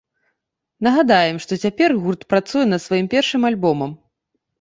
Нагадаем, што цяпер гурт працуе над сваім першым альбомам.